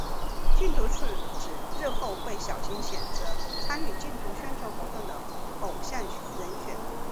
禁毒处指日后会小心选择参与禁毒宣传活动的偶像人选。